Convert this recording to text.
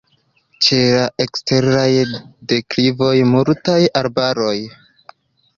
Ĉe la eksteraj deklivoj multas arbaroj.